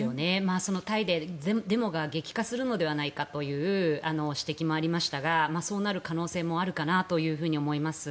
タイでデモが激化するのではないかという指摘もありましたがそうなる可能性もあるかなと思います。